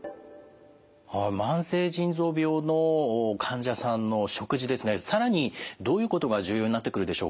慢性腎臓病の患者さんの食事ですね更にどういうことが重要になってくるでしょうか？